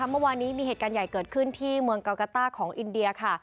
เมื่อวานนี้มีเหตุการณ์ใหญ่เกิดขึ้นที่เมืองกากาต้าของอินเดียค่ะ